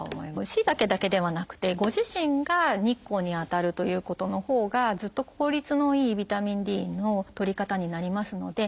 しいたけだけではなくてご自身が日光に当たるということのほうがずっと効率のいいビタミンＤのとり方になりますので。